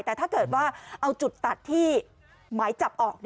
แต่ถ้าเกิดว่าเอาจุดตัดที่หมายจับออก